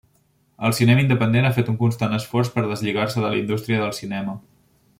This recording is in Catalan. El cinema independent ha fet un constant esforç per deslligar-se de la indústria del cinema.